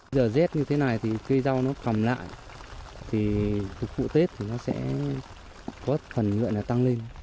giờ rét như thế này thì cây rau nó cầm lại thì phục vụ tết thì nó sẽ có phần nguyện là tăng lên